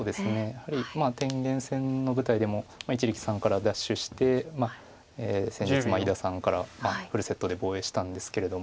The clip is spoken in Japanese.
やはり天元戦の舞台でも一力さんから奪取して先日伊田さんからフルセットで防衛したんですけれども。